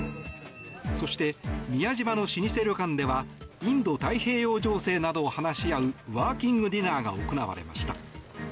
そして、宮島の老舗旅館ではインド太平洋情勢などを話し合うワーキングディナーが行われました。